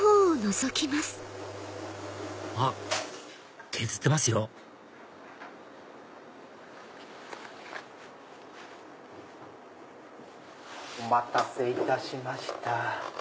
あっ削ってますよお待たせいたしました。